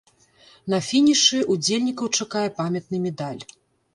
На фінішы ўдзельнікаў чакае памятны медаль.